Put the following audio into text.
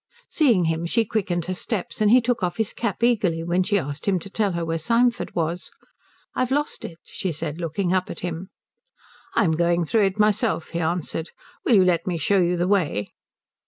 Seeing him, she quickened her steps, and he took off his cap eagerly when she asked him to tell her where Symford was. "I've lost it," she said, looking up at him. "I'm going through it myself," he answered. "Will you let me show you the way?"